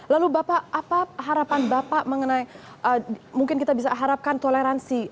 lalu bapak apa harapan bapak mengenai mungkin kita bisa harapkan toleransi agama di sana